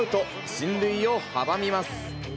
進塁を阻みます。